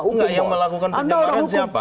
tidak yang melakukan penyebaran siapa